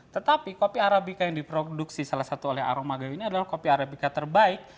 tetapi kopi arabica yang diproduksi salah satu oleh aroma gayo ini adalah kopi arabica terbaik